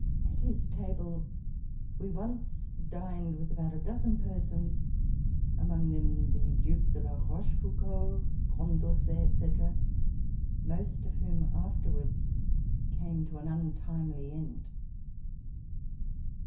At his table we once dined with about a dozen persons (among them the Duke de La Rochefoucauld, Con dorcet, &c.), most of whom afterwards came to an untimely end.